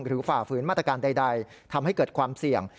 ฝ่าฝืนมาตรการใดทำให้เกิดความเสี่ยง